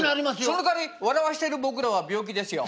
そのかわり笑わしてる僕らは病気ですよ。